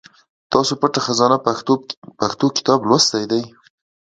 تاسو پټه خزانه پښتو کتاب لوستی دی ؟